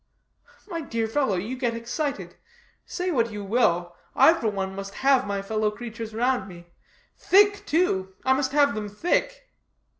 "My dear fellow, you get excited. Say what you will, I for one must have my fellow creatures round me. Thick, too I must have them thick."